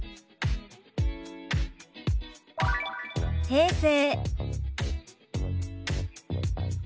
「平成」。